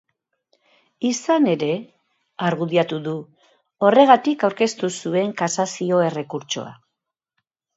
Izan ere, argudiatu du, horregatik aurkeztu zuen kasazio errekurtsoa.